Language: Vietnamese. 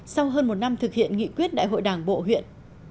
sau hơn một năm thực hiện nghị quyết đại hội đảng bộ huyện